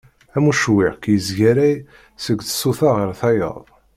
Am ucewwiq yezgaray seg tsuta ɣer tayeḍ.